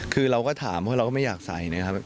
คือเราก็ถามเพราะเราก็ไม่อยากใส่นะครับ